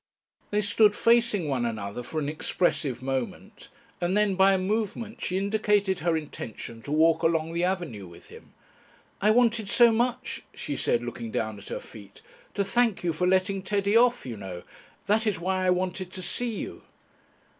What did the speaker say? They stood facing one another for an expressive moment, and then by a movement she indicated her intention to walk along the avenue with him. "I wanted so much," she said, looking down at her feet, "to thank you for letting Teddy off, you know. That is why I wanted to see you."